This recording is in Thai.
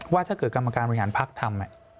ถ้าเกิดกรรมการบริหารภักดิ์ทำ